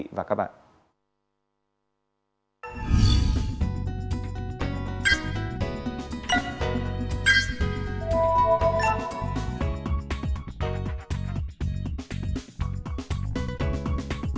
hẹn gặp lại các bạn trong những video tiếp theo